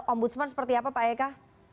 om budsman seperti apa pak eka